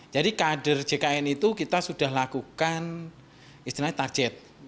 jadi kader jkn itu kita sudah lakukan istilahnya target